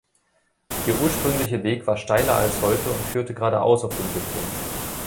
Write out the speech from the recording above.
Der ursprüngliche Weg war steiler als heute und führte geradeaus auf dem Gipfel.